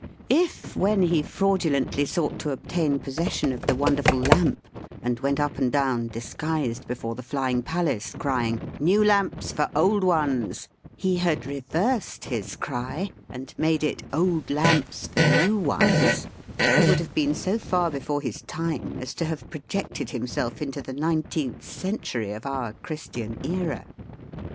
If, when he fraudulently sought to obtain possession of the wonderful Lamp, and went up and down, disguised, before the flying palace, crying New Lamps for Old ones, he had reversed his cry, and made it Old Lamps for New ones, he would have been so far before his time as to have projected himself into the nineteenth century of our Christian Era.